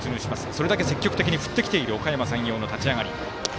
それだけ積極的に振ってきているおかやま山陽の立ち上がり。